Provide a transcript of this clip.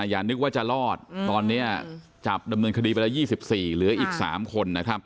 อย่านึกว่าจะรอดตอนนี้จับดำเนินคดีไปแล้ว๒๔เหลืออีก๓คนนะครับ